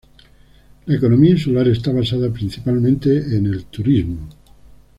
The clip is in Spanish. La economía insular está basada principalmente en el turismo.